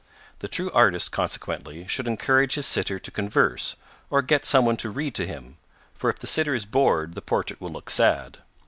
The true artist consequently should encourage his sitter to converse, or get some one to read to him; for if the sitter is bored the portrait will look sad.